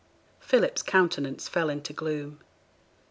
Philip's countenance fell into gloom.